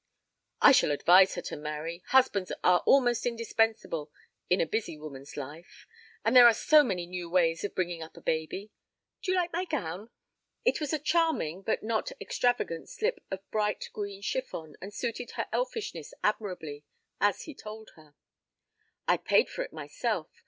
"I shall advise her to marry. Husbands are almost indispensable in a busy woman's life; and there are so many new ways of bringing up a baby. D'you like my gown?" It was a charming but not extravagant slip of bright green chiffon and suited her elfishness admirably, as he told her. "I paid for it myself.